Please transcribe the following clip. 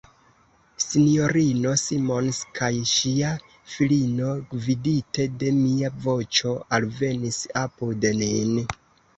S-ino Simons kaj ŝia filino, gvidite de mia voĉo, alvenis apud nin.